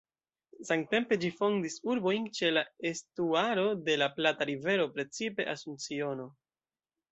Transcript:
Samtempe ĝi fondis urbojn ĉe la estuaro de la Plata-rivero, precipe Asunciono.